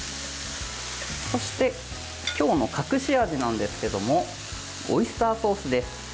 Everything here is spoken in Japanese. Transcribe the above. そして今日の隠し味なんですけどオイスターソースです。